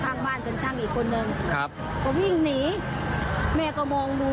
ข้างบ้านเป็นช่างอีกคนนึงครับก็วิ่งหนีแม่ก็มองดู